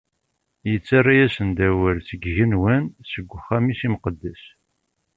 Ittarra-as-d awal seg yigenwan, seg uxxam-is imqeddes.